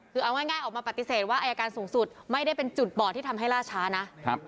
คือเอาง่ายออกมาปฏิเสธว่าอายการสูงสุดไม่ได้เป็นจุดบอดที่ทำให้ล่าช้านะ